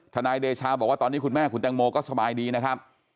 นายเดชาบอกว่าตอนนี้คุณแม่คุณแตงโมก็สบายดีนะครับ